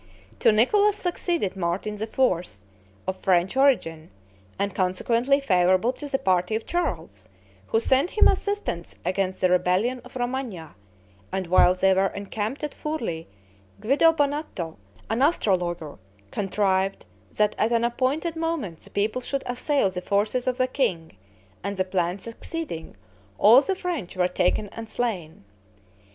To Nicholas succeeded Martin IV., of French origin, and consequently favorable to the party of Charles, who sent him assistance against the rebellion of Romagna; and while they were encamped at Furli, Guido Bonatto, an astrologer, contrived that at an appointed moment the people should assail the forces of the king, and the plan succeeding, all the French were taken and slain.